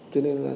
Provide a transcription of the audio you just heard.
cho nên là